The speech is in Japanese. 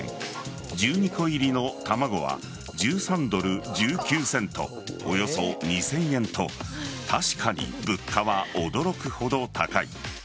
１２個入りの卵は１３ドル１９セントおよそ２０００円と確かに物価は驚くほど高い。